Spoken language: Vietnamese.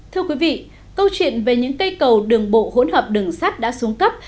thưa quý vị câu chuyện về những cây cầu đường bộ hỗn hợp đường sắt đã xuống cấp